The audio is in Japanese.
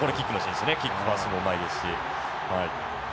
キックパスもうまいですし。